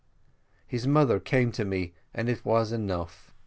His mother came to me, and it was enough.